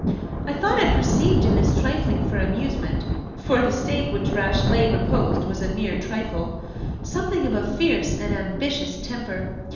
I thought I perceived in this trifling for amusement (for the stake which Rashleigh proposed was a mere trifle) something of a fierce and ambitious temper.